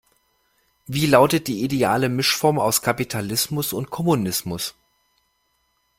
Wie lautet die ideale Mischform aus Kapitalismus und Kommunismus?